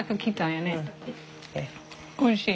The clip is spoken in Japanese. おいしい。